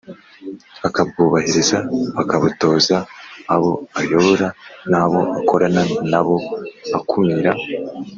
akabwubahiriza akabutoza abo ayobora n abo akorana na bo Akumira